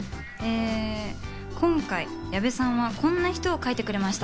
今回、矢部さんはこんな人を描いてくれました。